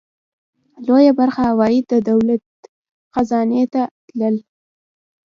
لویه برخه عواید د دولت خزانې ته تلل.